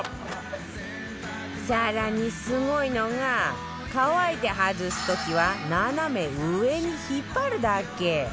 更にすごいのが乾いて外す時は斜め上に引っ張るだけ